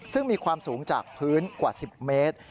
ซึ่งมีความสูงจากพื้นกว่า๑๐เมตร